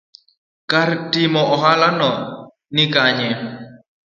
kar timo ohalano ni kanye?